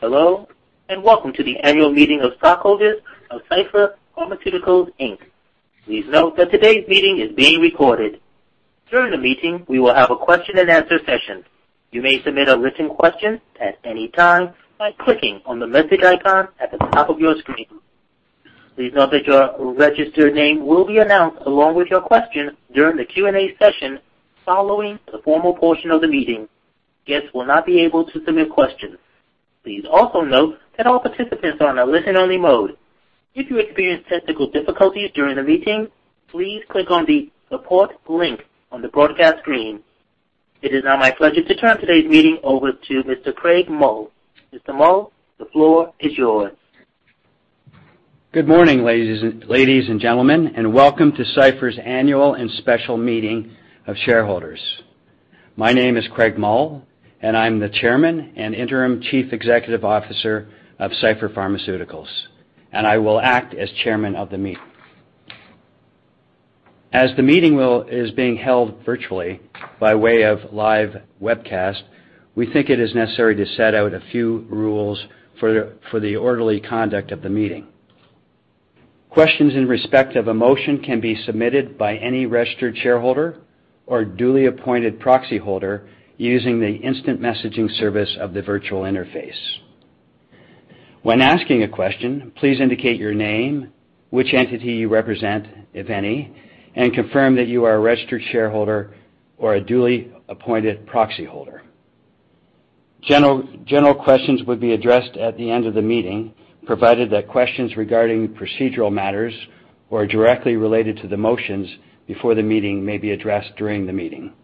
Hello, and welcome to the annual meeting of shareholders of Cipher Pharmaceuticals Inc. Please note that today's meeting is being recorded. During the meeting, we will have a question-and-answer session. You may submit a written question at any time by clicking on the message icon at the top of your screen. Please note that your registered name will be announced along with your question during the Q&A session following the formal portion of the meeting. Guests will not be able to submit questions. Please also note that all participants are in a listen-only mode. If you experience technical difficulties during the meeting, please click on the support link on the broadcast screen. It is now my pleasure to turn today's meeting over to Mr. Craig Mull. Mr. Mull, the floor is yours. Good morning, ladies and gentlemen, and welcome to Cipher's annual and special meeting of shareholders. My name is Craig Mull, and I'm the Chairman and Interim Chief Executive Officer of Cipher Pharmaceuticals, and I will act as Chairman of the meeting. As the meeting is being held virtually by way of live webcast, we think it is necessary to set out a few rules for the orderly conduct of the meeting. Questions in respect of a motion can be submitted by any registered shareholder or duly appointed proxy holder using the instant messaging service of the virtual interface. When asking a question, please indicate your name, which entity you represent, if any, and confirm that you are a registered shareholder or a duly appointed proxy holder. General questions would be addressed at the end of the meeting, provided that questions regarding procedural matters or directly related to the motions before the meeting may be addressed during the meeting.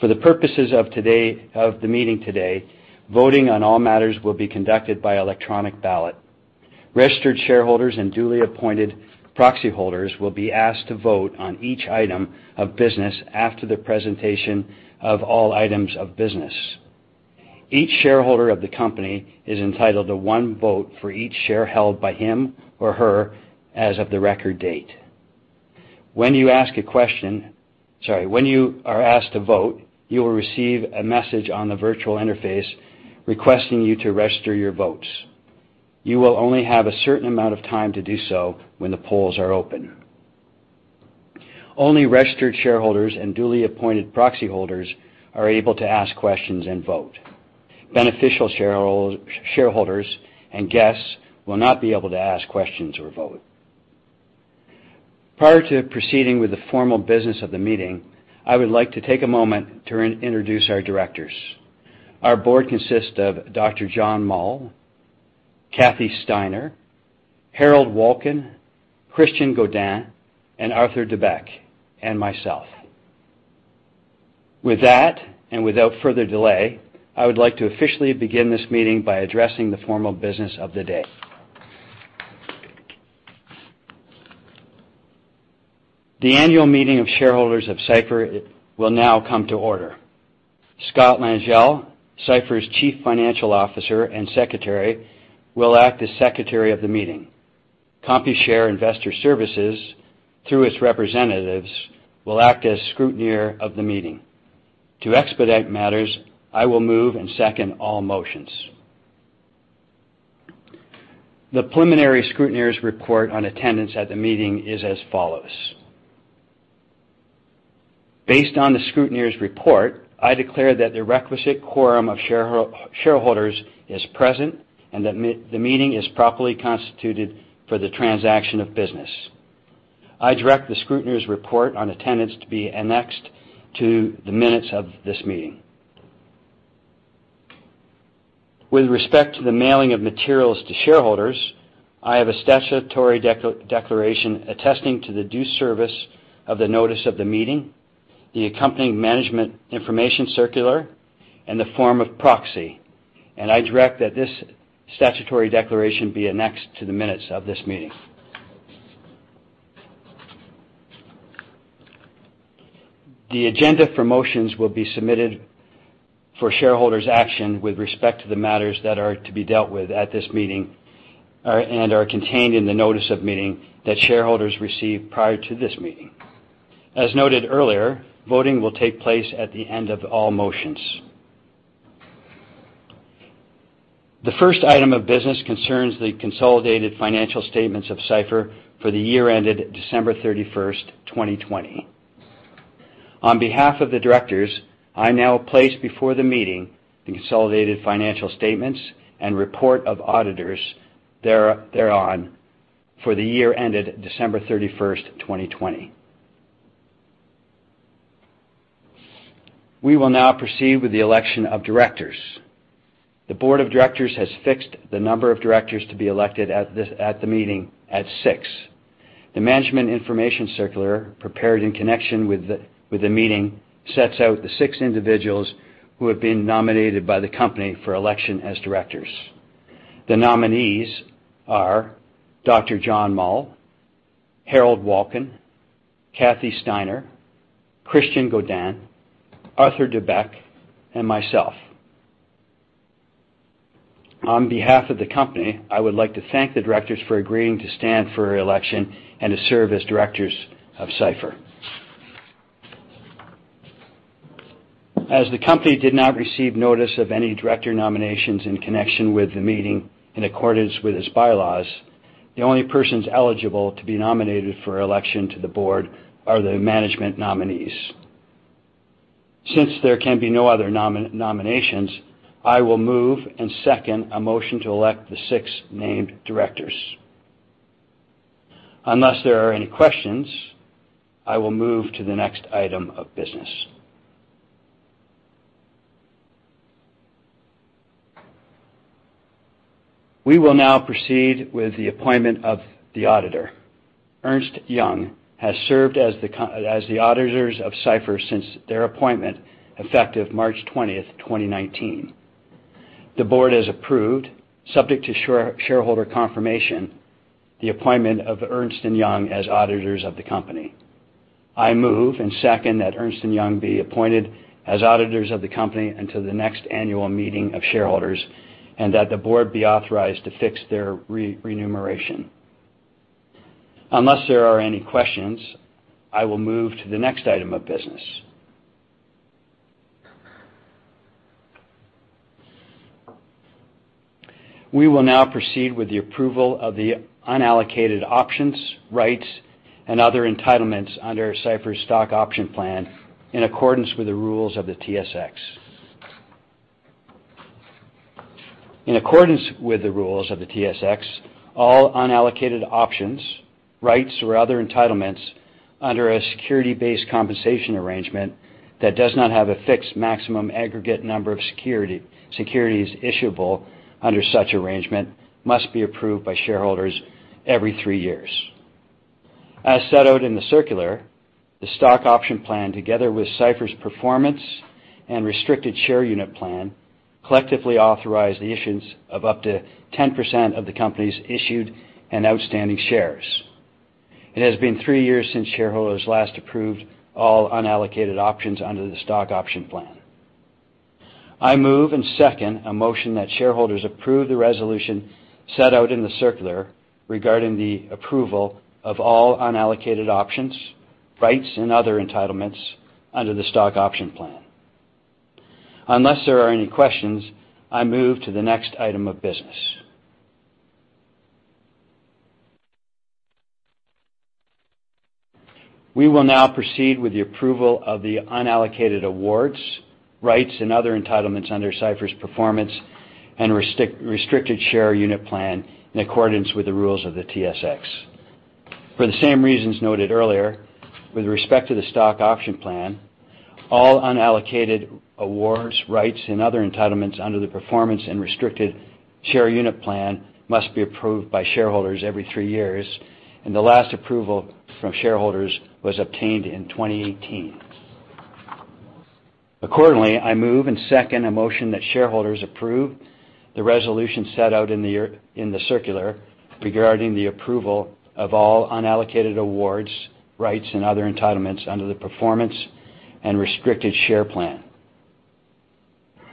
For the purposes of the meeting today, voting on all matters will be conducted by electronic ballot. Registered shareholders and duly appointed proxy holders will be asked to vote on each item of business after the presentation of all items of business. Each shareholder of the company is entitled to one vote for each share held by him or her as of the record date. When you ask a question, sorry, when you are asked to vote, you will receive a message on the virtual interface requesting you to register your votes. You will only have a certain amount of time to do so when the polls are open. Only registered shareholders and duly appointed proxy holders are able to ask questions and vote. Beneficial shareholders and guests will not be able to ask questions or vote. Prior to proceeding with the formal business of the meeting, I would like to take a moment to introduce our directors. Our board consists of Dr. John Mull, Cathy Steiner, Harold Wolkin, Christian Godin, and Arthur Deboeck, and myself. With that, and without further delay, I would like to officially begin this meeting by addressing the formal business of the day. The annual meeting of shareholders of Cipher will now come to order. Scott Langille, Cipher's Chief Financial Officer and Secretary, will act as secretary of the meeting. Computershare Investor Services, through its representatives, will act as scrutineer of the meeting. To expedite matters, I will move and second all motions. The preliminary scrutineer's report on attendance at the meeting is as follows. Based on the scrutineer's report, I declare that the requisite quorum of shareholders is present and that the meeting is properly constituted for the transaction of business. I direct the scrutineer's report on attendance to be annexed to the minutes of this meeting. With respect to the mailing of materials to shareholders, I have a statutory declaration attesting to the due service of the notice of the meeting, the accompanying management information circular, and the form of proxy, and I direct that this statutory declaration be annexed to the minutes of this meeting. The agenda for motions will be submitted for shareholders' action with respect to the matters that are to be dealt with at this meeting and are contained in the notice of meeting that shareholders receive prior to this meeting. As noted earlier, voting will take place at the end of all motions. The first item of business concerns the consolidated financial statements of Cipher for the year ended December 31st, 2020. On behalf of the directors, I now place before the meeting the consolidated financial statements and report of auditors thereon for the year ended December 31st, 2020. We will now proceed with the election of directors. The board of directors has fixed the number of directors to be elected at the meeting at six. The management information circular, prepared in connection with the meeting, sets out the six individuals who have been nominated by the company for election as directors. The nominees are Dr. John Mull, Harold Wolkin, Cathy Steiner, Christian Godin, Arthur Deboeck, and myself. On behalf of the company, I would like to thank the directors for agreeing to stand for election and to serve as directors of Cipher. As the company did not receive notice of any director nominations in connection with the meeting in accordance with its bylaws, the only persons eligible to be nominated for election to the board are the management nominees. Since there can be no other nominations, I will move and second a motion to elect the six named directors. Unless there are any questions, I will move to the next item of business. We will now proceed with the appointment of the auditor. Ernst & Young has served as the auditors of Cipher since their appointment effective March 20th, 2019. The board has approved, subject to shareholder confirmation, the appointment of Ernst & Young as auditors of the company. I move and second that Ernst & Young be appointed as auditors of the company until the next annual meeting of shareholders and that the board be authorized to fix their remuneration. Unless there are any questions, I will move to the next item of business. We will now proceed with the approval of the unallocated options, rights, and other entitlements under Cipher's stock option plan in accordance with the rules of the TSX. In accordance with the rules of the TSX, all unallocated options, rights, or other entitlements under a security-based compensation arrangement that does not have a fixed maximum aggregate number of securities issuable under such arrangement must be approved by shareholders every three years. As set out in the circular, the stock option plan, together with Cipher's performance and restricted share unit plan, collectively authorize the issuance of up to 10% of the company's issued and outstanding shares. It has been three years since shareholders last approved all unallocated options under the stock option plan. I move and second a motion that shareholders approve the resolution set out in the circular regarding the approval of all unallocated options, rights, and other entitlements under the stock option plan. Unless there are any questions, I move to the next item of business. We will now proceed with the approval of the unallocated awards, rights, and other entitlements under Cipher's performance and restricted share unit plan in accordance with the rules of the TSX. For the same reasons noted earlier, with respect to the stock option plan, all unallocated awards, rights, and other entitlements under the performance and restricted share unit plan must be approved by shareholders every three years, and the last approval from shareholders was obtained in 2018. Accordingly, I move and second a motion that shareholders approve the resolution set out in the circular regarding the approval of all unallocated awards, rights, and other entitlements under the performance and restricted share plan.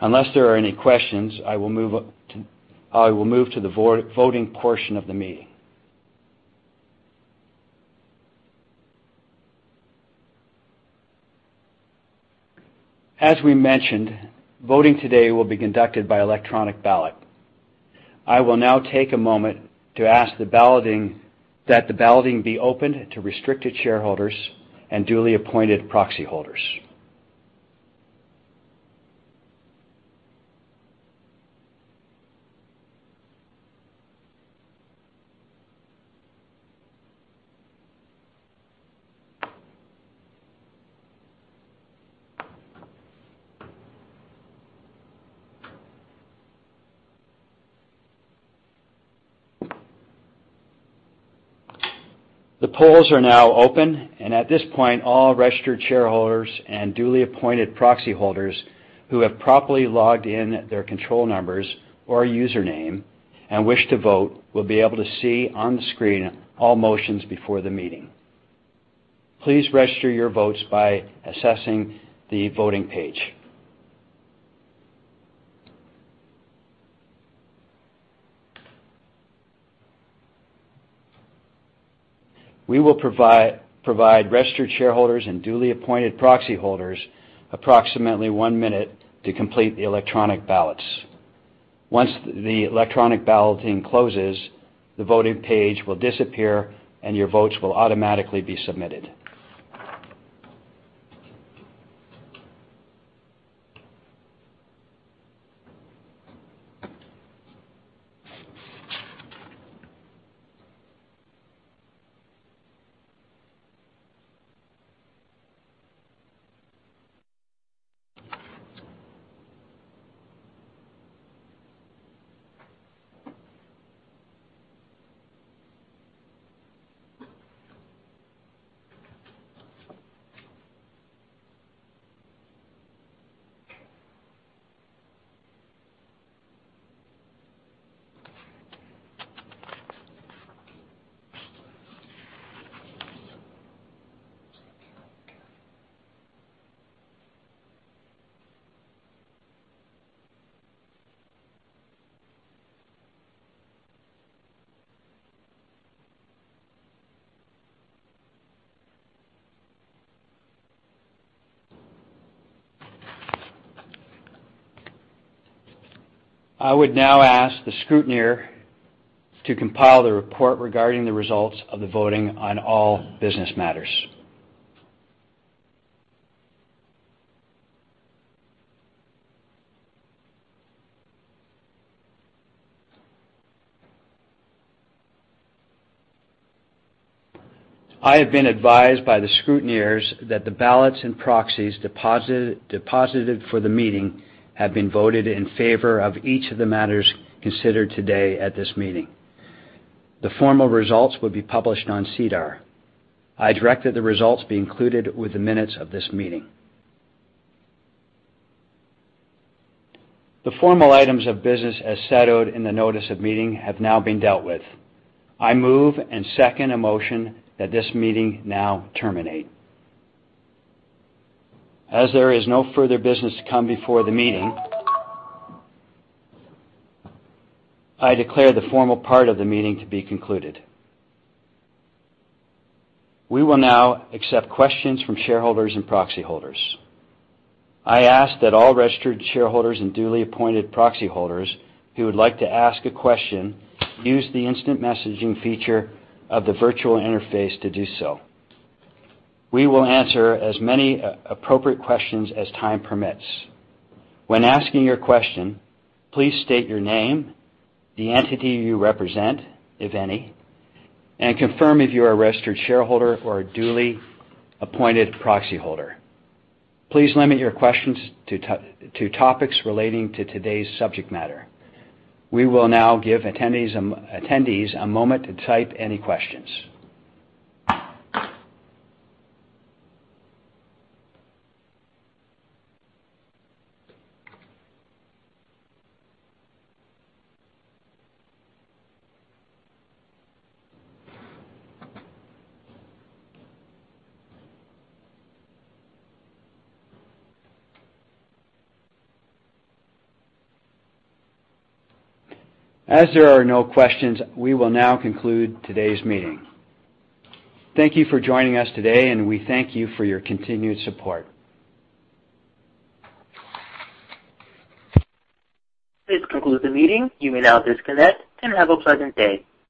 Unless there are any questions, I will move to the voting portion of the meeting. As we mentioned, voting today will be conducted by electronic ballot. I will now take a moment to ask that the balloting be opened to registered shareholders and duly appointed proxy holders. The polls are now open, and at this point, all registered shareholders and duly appointed proxy holders who have properly logged in their control numbers or username and wish to vote will be able to see on the screen all motions before the meeting. Please register your votes by accessing the voting page. We will provide registered shareholders and duly appointed proxy holders approximately one minute to complete the electronic ballots. Once the electronic balloting closes, the voting page will disappear, and your votes will automatically be submitted. I would now ask the scrutineer to compile the report regarding the results of the voting on all business matters. I have been advised by the scrutineers that the ballots and proxies deposited for the meeting have been voted in favor of each of the matters considered today at this meeting. The formal results will be published on SEDAR. I direct that the results be included with the minutes of this meeting. The formal items of business as settled in the notice of meeting have now been dealt with. I move and second a motion that this meeting now terminate. As there is no further business to come before the meeting, I declare the formal part of the meeting to be concluded. We will now accept questions from shareholders and proxy holders. I ask that all registered shareholders and duly appointed proxy holders who would like to ask a question use the instant messaging feature of the virtual interface to do so. We will answer as many appropriate questions as time permits. When asking your question, please state your name, the entity you represent, if any, and confirm if you are a registered shareholder or a duly appointed proxy holder. Please limit your questions to topics relating to today's subject matter. We will now give attendees a moment to type any questions. As there are no questions, we will now conclude today's meeting. Thank you for joining us today, and we thank you for your continued support. Please conclude the meeting. You may now disconnect and have a pleasant day.